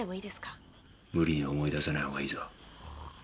無理に思い出さない方がいいぞ。